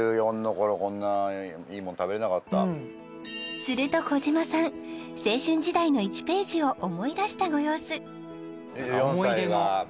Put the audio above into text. こんないいもん食べれなかったうんすると児嶋さん青春時代の１ページを思い出したご様子